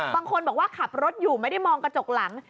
บางคนบอกว่าขับรถอยู่ไม่ได้มองกระจกหลัง